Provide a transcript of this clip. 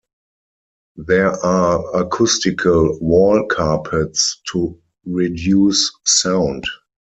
There are acoustical wall carpets to reduce sound.